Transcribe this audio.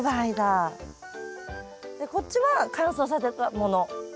でこっちは乾燥させたもの。